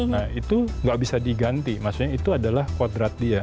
nah itu nggak bisa diganti maksudnya itu adalah kodrat dia